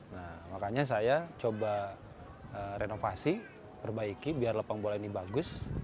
nah makanya saya coba renovasi perbaiki biar lapangan bola ini bagus